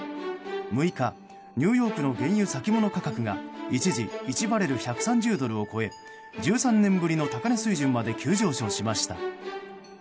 ６日、ニューヨークの原油先物価格が一時１バレル＝１３０ドルを超え１３年ぶりの高値水準まで急上昇しました。